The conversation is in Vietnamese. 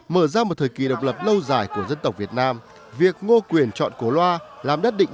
mở ra một thời kỳ độc lập lâu dài của dân tộc việt nam việc ngô quyền chọn cổ loa làm đất định